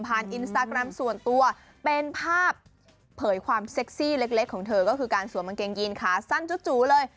อินสตาแกรมส่วนตัวเป็นภาพเผยความเซ็กซี่เล็กของเธอก็คือการสวมกางเกงยีนขาสั้นจู่เลย